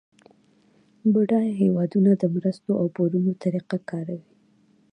بډایه هیوادونه د مرستو او پورونو طریقه کاروي